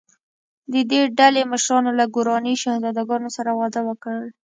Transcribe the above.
د دې ډلې مشرانو له ګوراني شهزادګانو سره واده وکړ.